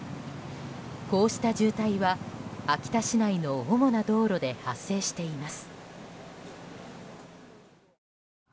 こうした渋滞は、秋田市内の主な道路で発生しています。